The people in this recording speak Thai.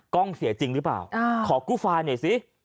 เสียจริงหรือเปล่าขอกู้ไฟล์หน่อยสิ